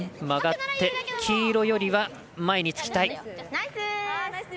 曲がって、黄色よりは前につきたい。